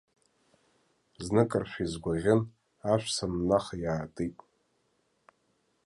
Зныкыршәа изгәаӷьын ашә саннаха, иаатит.